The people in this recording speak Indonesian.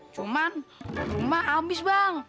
cuman rumah habis bang